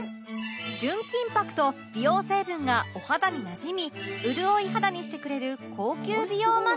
純金箔と美容成分がお肌になじみ潤い肌にしてくれる高級美容マスク